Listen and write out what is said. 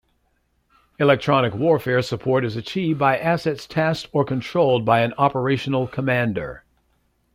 Electronic warfare support is achieved by assets tasked or controlled by an operational commander.